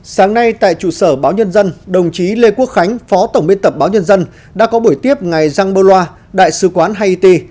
sáng nay tại trụ sở báo nhân dân đồng chí lê quốc khánh phó tổng biên tập báo nhân dân đã có buổi tiếp ngày giang bơ loa đại sứ quán haiti